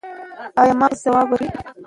ایا مغز ځواب ورکوي؟